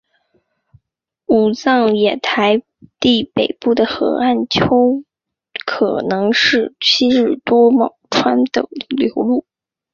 武藏野台地北部的河岸段丘可能是昔日多摩川的流路。